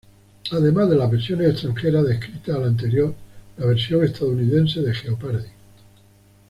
Además de las versiones extranjeras descritas al anterior, la versión estadounidense de "Jeopardy!